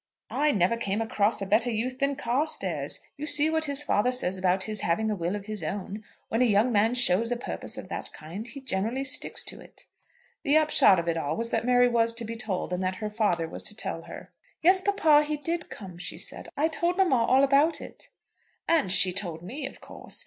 "I never came across a better youth than Carstairs. You see what his father says about his having a will of his own. When a young man shows a purpose of that kind he generally sticks to it." The upshot of it all was, that Mary was to be told, and that her father was to tell her. "Yes, papa, he did come," she said. "I told mamma all about me." "And she told me, of course.